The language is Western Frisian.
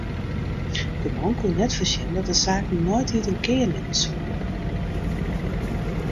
De man koe net foarsjen dat de saken neitiid in kear nimme soene.